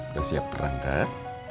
udah siap berangkat